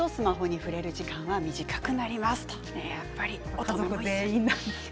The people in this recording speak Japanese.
大人もそうなんですね。